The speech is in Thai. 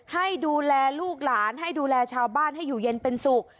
ให้ดูแลลูกหลานให้ดูแลชาวบ้านให้อยู่เย็นเป็นสุข